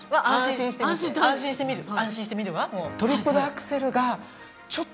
安心して見るわ。